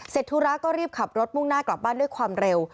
ธุระก็รีบขับรถมุ่งหน้ากลับบ้านด้วยความเร็ว